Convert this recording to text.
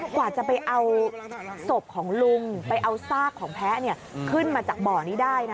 กว่าจะไปเอาศพของลุงไปเอาซากของแพ้ขึ้นมาจากบ่อนี้ได้นะ